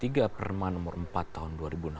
itu juga perman nr empat tahun dua ribu enam belas